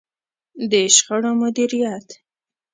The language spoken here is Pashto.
د شخړو مديريت.